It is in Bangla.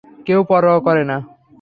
কেউ পরোয়া করে না।